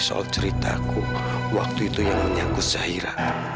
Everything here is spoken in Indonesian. soal ceritaku waktu itu yang menyangkut zahira